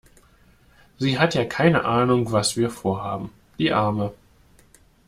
Sie hat ja keine Ahnung was wir Vorhaben. Die Arme.